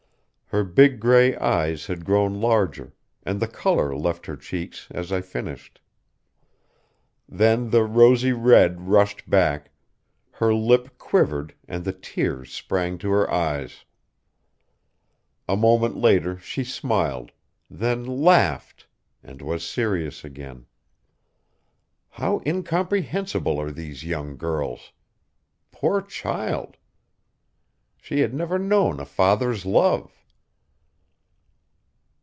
Her big gray eyes had grown larger, and the color left her cheeks as I finished. Then the rosy red rushed back, her lip quivered and the tears sprang to her eyes. A moment later she smiled, then laughed, and was serious again. How incomprehensible are these young girls! Poor child! she had never known a father's love.